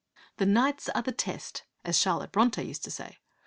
'The nights are the test!' as Charlotte Brontë used to say.